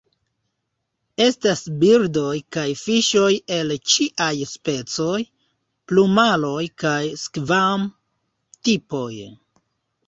Estas birdoj kaj fiŝoj el ĉiaj specoj, plumaroj kaj skvam-tipoj.